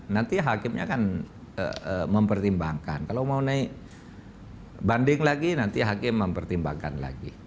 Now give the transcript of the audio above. nanti hakimnya akan mempertimbangkan kalau mau naik banding lagi nanti hakim mempertimbangkan lagi